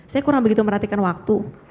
saya kurang begitu memperhatikan waktu